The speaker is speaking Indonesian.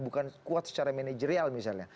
bukan kuat secara manajerial misalnya